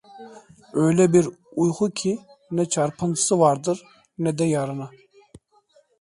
Öyle bir uyku ki, ne çarpıntısı vardır, ne de yarını…